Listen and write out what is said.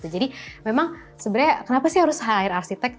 jadi memang sebenarnya kenapa sih harus hire arsitek